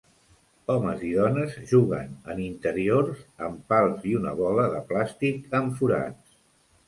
Homes i dones juguen en interiors amb pals i una bola de plàstic amb forats.